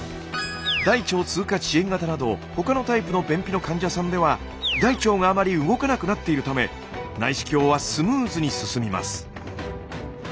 大腸通過遅延型など他のタイプの便秘の患者さんでは大腸があまり動かなくなっているため内視鏡はスムーズに進みます。